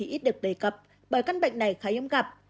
ít được đề cập bởi căn bệnh này khá hiếm gặp